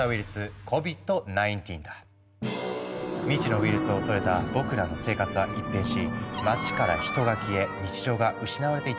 未知のウイルスを恐れた僕らの生活は一変し街から人が消え日常が失われていったよね。